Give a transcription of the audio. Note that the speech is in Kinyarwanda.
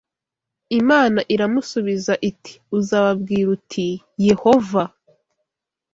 Imana iramusubiza iti uzababwira uti YEHOVA